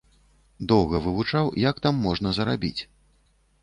Доўга вывучаў, як там можна зарабіць.